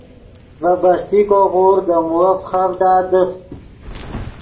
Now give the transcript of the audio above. ڤے بستیکو غورد دے مووف فیخڤڈا دیفت